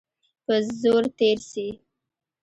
په زور تېر سي.